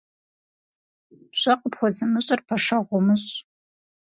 Пщӏэ къыпхуэзымыщӏыр пэшэгъу умыщӏ.